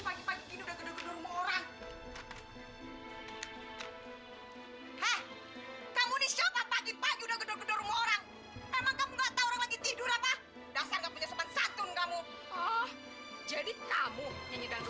hai tuh siapa sih pagi pagi udah gedor gedor orang